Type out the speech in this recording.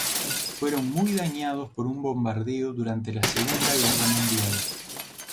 Fueron muy dañados por un bombardeo durante la Segunda Guerra Mundial.